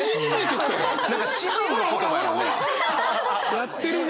やってるね。